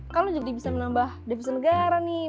kan lu juga bisa menambah defisit negara nih